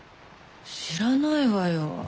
知らないわよ。